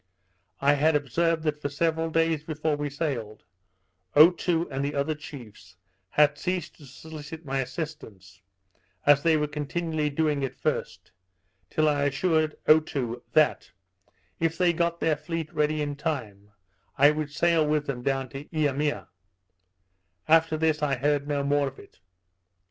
I had observed that for several days before we sailed, Otoo and the other chiefs had ceased to solicit my assistance, as they were continually doing at first, till I assured Otoo that, if they got their fleet ready in time, I would sail with them down to Eimea: After this I heard no more of it.